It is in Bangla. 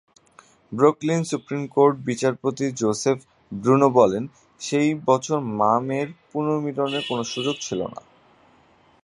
ব্রুকলিন সুপ্রিম কোর্টের বিচারপতি জোসেফ ব্রুনো বলেন, সেই বছর মা-মেয়ের পুনর্মিলনের কোন সুযোগ ছিল না।